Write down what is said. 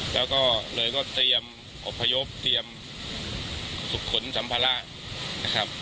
แล้วก็เลยก็เตรียมอบพยพเตรียมสุขขนสัมภาระนะครับ